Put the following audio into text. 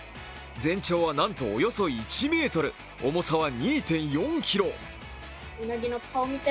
全長はなんとおよそ１ｍ重さは２．４ｋｇ。